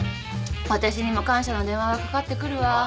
私にも感謝の電話がかかってくるわ。